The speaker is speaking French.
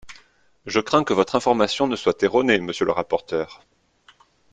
Je crains que votre information ne soit erronée, monsieur le rapporteur.